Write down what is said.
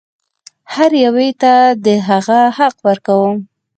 هر یوه ته د هغه حق ورکوم.